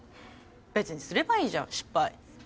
別にすればいいじゃん失敗。